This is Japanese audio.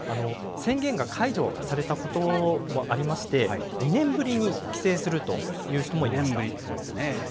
宣言が解除されたこともありまして、２年ぶりに帰省するという人２年ぶり、そうですね。